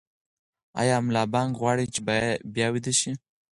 ایا ملا بانګ غواړي چې بیا ویده شي؟